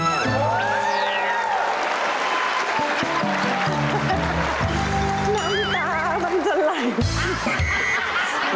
น้ำตามันจะไหล